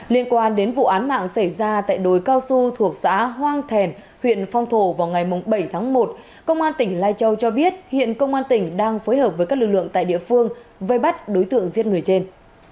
liên quan đến vụ án mạng xảy ra tại đồi cao su thuộc xã hoang thèn huyện phong thổ vào ngày bảy tháng một công an tỉnh lai châu cho biết hiện công an tỉnh đang phối hợp với các lực lượng tại địa phương vây bắt đối tượng giết người trên